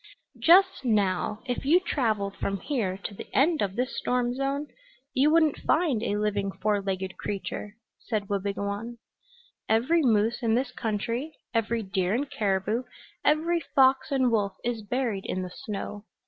"Just now, if you traveled from here to the end of this storm zone you wouldn't find a living four legged creature," said Wabigoon. "Every moose in this country, every deer and caribou, every fox and wolf, is buried in the snow.